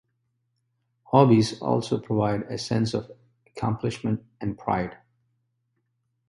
Hobbies also provide a sense of accomplishment and pride.